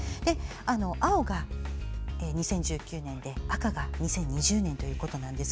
青が２０１９年で赤が２０２０年ということです。